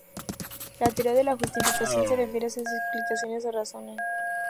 La teoría de la justificación se refiere a esas "explicaciones" o "razones".